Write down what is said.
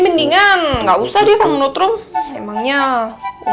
mendingan tidak usah butuh emang obt labour place gitu mohon tunggu aja dulu ya